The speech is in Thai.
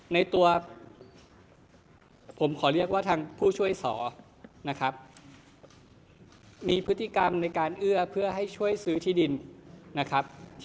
ในตัวผมขอเรียกว่าทางผู้ช่วยสอนะครับมีพฤติกรรมในการเอื้อเพื่อให้ช่วยซื้อที่ดินนะครับ